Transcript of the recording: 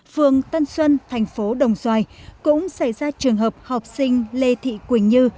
phường tân xuân thành phố đồng xoài cũng xảy ra trường hợp học sinh lê thị quỳnh như